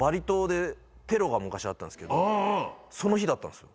が昔あったんですけどその日だったんですよ。